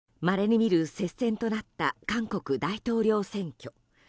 まれに見る接戦となった韓国大統領選挙。